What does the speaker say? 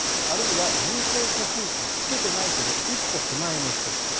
あるいは人工呼吸器はつけていないけれど一歩手前の人。